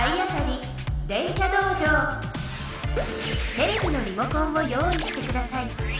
テレビのリモコンを用意してください。